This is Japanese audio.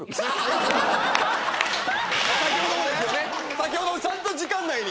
先程もちゃんと時間内に。